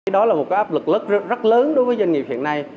đó là một áp lực rất lớn đối với doanh nghiệp hiện nay